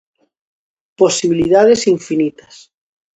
Posibilidades, infinitas.